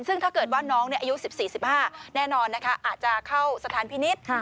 ซึ่งถ้าเกิดว่าน้องอายุ๑๔๑๕แน่นอนนะคะอาจจะเข้าสถานพินิษฐ์